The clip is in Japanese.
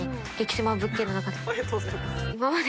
セマ物件の中で。